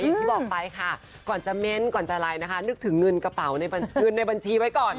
อย่างที่บอกไปค่ะก่อนจะเม้นก่อนจะอะไรนะคะนึกถึงเงินกระเป๋าในเงินในบัญชีไว้ก่อน